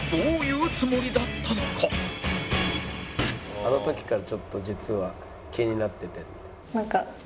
「あの時からちょっと実は気になってて」。